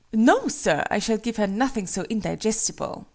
"No, sir! I shall give her nothing so indigestible!